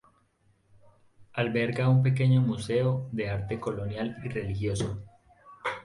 Alberga un pequeño museo de arte colonial y religioso.